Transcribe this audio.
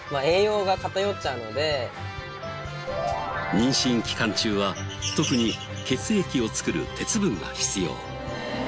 妊娠期間中は特に血液を作る鉄分が必要。